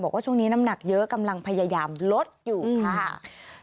บอกว่าช่วงนี้น้ำหนักเยอะกำลังพยายามลดอยู่ค่ะ